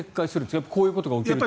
やっぱりこういうことが起きると。